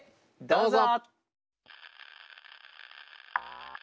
どうぞ。